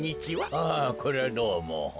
ああこりゃどうも。